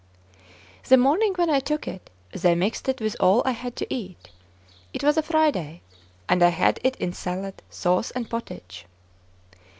The morning when I took it, they mixed it with all I had to eat; it was a Friday, and I had it in salad, sauce, and pottage.